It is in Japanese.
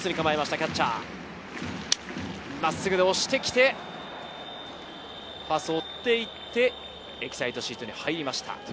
キャッチャー、真っすぐでおしてきて、ファースト追っていって、エキサイトシートに入りました。